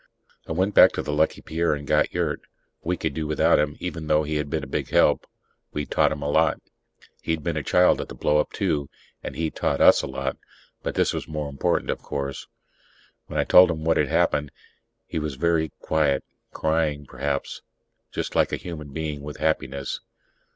I went back to the Lucky Pierre and got Yurt. We could do without him, even though he had been a big help. We'd taught him a lot he'd been a child at the blow up, too and he'd taught us a lot. But this was more important, of course. When I told him what had happened, he was very quiet; crying, perhaps, just like a human being, with happiness.